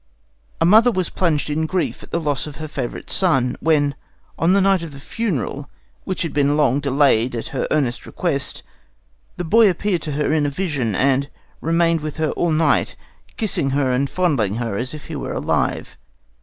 A mother was plunged in grief at the loss of her favourite son, when, on the night of the funeral, which had been long delayed at her earnest request, the boy appeared to her in a vision, and remained with her all night, kissing her and fondling her as if he were alive.